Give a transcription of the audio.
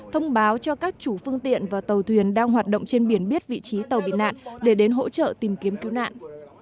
thông báo cho các chủ phương tiện và tàu thuyền đang hoạt động trên biển biết vị trí tàu bị nạn để đến hỗ trợ tìm kiếm cứu nạn